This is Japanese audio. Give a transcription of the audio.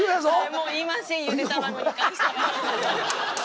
もう言いませんゆで卵に関しては。